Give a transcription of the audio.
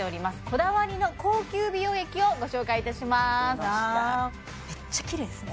こだわりの高級美容液をご紹介いたしますでました